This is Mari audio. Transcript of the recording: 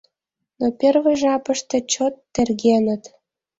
Но первый жапыште чот тергеныт.